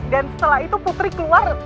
dan setelah itu putri keluar